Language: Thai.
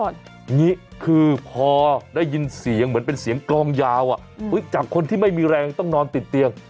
อย่างนี้คือพอได้ยินเสียงเหมือนเป็นเสียงกลองยาวจากคนที่ไม่มีแรงต้องนอนติดเตียง